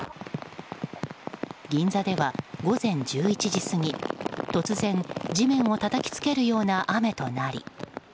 銀座では午前１１時過ぎ突然、地面をたたきつけるような雨となり。